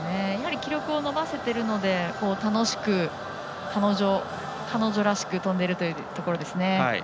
記録を伸ばせているので楽しく彼女らしく跳んでいるというところですね。